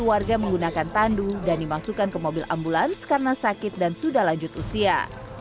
warga menggunakan tandu dan dimasukkan ke mobil ambulans karena sakit dan sudah lanjut usia